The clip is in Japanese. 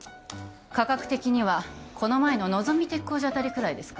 価格的にはこの前ののぞみ鉄工所あたりくらいですか